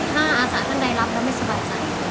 ถ้าอาสาท่านใดรับแล้วไม่สบายใจ